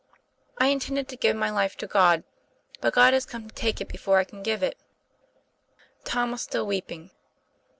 I intended to give my life to God; but God has come to take it before I can give it." Tom was still weeping.